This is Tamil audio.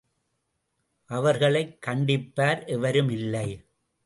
அவர்களைக் கண்டிப்பார் எவரும் இல்லை.